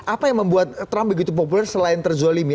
apa yang membuat trump begitu populer selain terzolimi